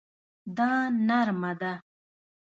دا نرمه ده